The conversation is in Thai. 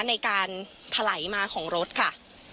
ในการถลายมาของรถค่ะ